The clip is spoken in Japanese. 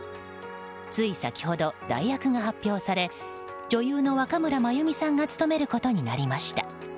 つい先ほど、代役が発表され女優の若村麻由美さんが務めることになりました。